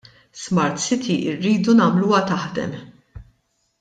SmartCity rridu nagħmluha taħdem.